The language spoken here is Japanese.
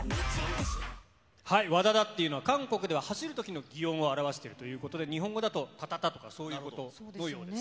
ＷＡＤＡＤＡというのは、韓国では走るときの擬音を表しているということで、日本語だとタタタとか、そういうことだそうです。